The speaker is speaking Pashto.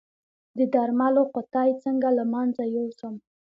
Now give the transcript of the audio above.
د درملو قطۍ څنګه له منځه یوسم؟